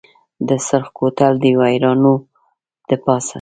د سرخ کوتل دویرانو دپاسه